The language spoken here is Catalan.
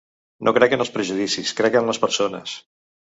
No crec en els prejudicis, crec en les persones.